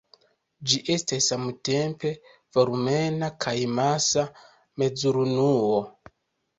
Ĝi estas samtempe volumena kaj masa mezurunuo.